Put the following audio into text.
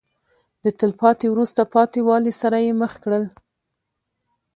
د تلپاتې وروسته پاتې والي سره یې مخ کړل.